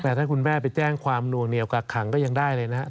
แต่ถ้าคุณแม่ไปแจ้งความนวงเหนียวกักขังก็ยังได้เลยนะครับ